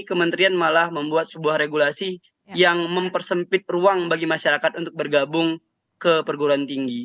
kementerian malah membuat sebuah regulasi yang mempersempit ruang bagi masyarakat untuk bergabung ke perguruan tinggi